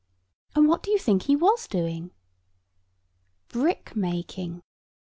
And what do you think he was doing? Brick making.